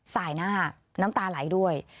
สายหน้าน้ำตาไหลด้วย